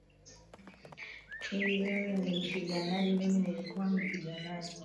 K wewe ni mpiganaji mimi nilikuwa mpiganaji